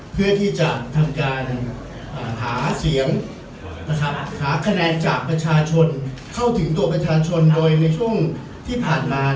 เพื่อที่จะทำการหาเสียงนะครับหาคะแนนจากประชาชนเข้าถึงตัวประชาชนโดยในช่วงที่ผ่านมา